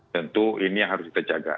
tentu ini harus kita jaga